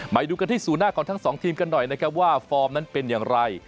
ไปดูกันที่ศูนย์หน้าของทั้งสองทีมกันหน่อยนะครับว่าฟอร์มนั้นเป็นอย่างไร